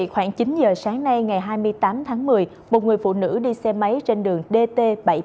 khoảng chín giờ sáng nay ngày hai mươi tám tháng một mươi một người phụ nữ đi xe máy trên đường dt bảy trăm tám mươi